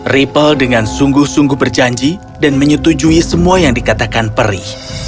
ripple dengan sungguh sungguh berjanji dan menyetujui semua yang dikatakan perih